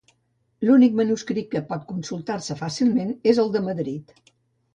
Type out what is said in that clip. L'únic manuscrit que pot consultar-se fàcilment és el de Madrid.